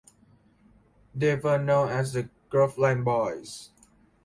They were known as the Groveland Boys.